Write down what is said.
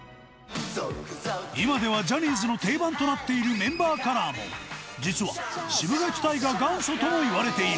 今ではジャニーズの定番となっているメンバーカラーも実はシブがき隊が元祖ともいわれている。